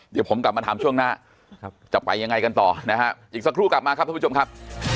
เดี๋ยวผมกลับมาถามช่วงหน้าจะไปยังไงกันต่อนะฮะอีกสักครู่กลับมาครับท่านผู้ชมครับ